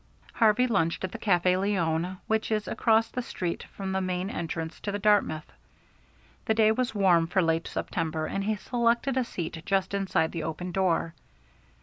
Harvey lunched at the Cafe Lyon, which is across the street from the main entrance to the Dartmouth. The day was warm for late September, and he selected a seat just inside the open door.